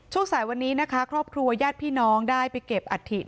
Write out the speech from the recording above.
ช่วงสายวันนี้นะคะครอบครัวยาดพี่น้องได้ไปเก็บอัตภิกษ์